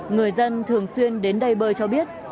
người dân thường xuyên đến đây bơi cho biết